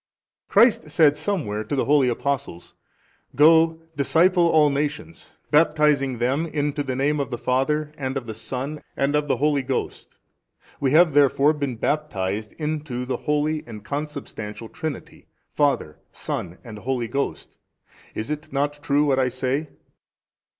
A. Christ said somewhere to the holy Apostles, Go disciple all nations, baptizing them into the name of the Father and of the Son and of the Holy Ghost. We have therefore been baptized into the Holy and Consubstantial Trinity, Father Son and Holy Ghost. Is it not true what I say?